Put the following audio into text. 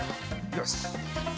よし！